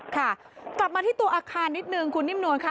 ค่ะกลับมาที่ตัวอาคารนิดนึงคุณนิ่มนวลค่ะ